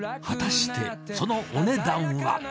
果たしてそのお値段は！？